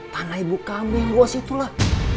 tanah ibu kamu yang gue wasitulah